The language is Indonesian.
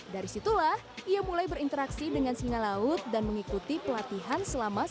dari situlah ia mulai berinteraksi dengan singa laut dan mengikuti pelatihan selama satu tahun